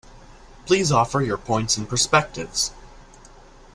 Please offer your points and perspectives.